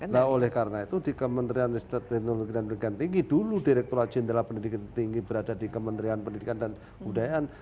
nah oleh karena itu di kementerian teknologi dan pendidikan tinggi dulu direkturat jenderal pendidikan tinggi berada di kementerian pendidikan dan kebudayaan